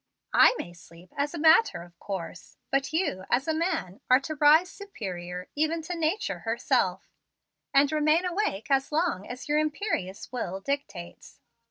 "I may sleep, as a matter of course; but you, as a man, are to rise superior, even to nature herself, and remain awake as long as your imperious will dictates."